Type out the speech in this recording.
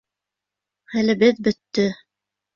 Хәлебеҙ бөттө!